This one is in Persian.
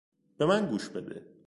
به من گوش بده!